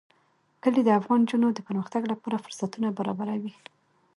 کلي د افغان نجونو د پرمختګ لپاره فرصتونه برابروي.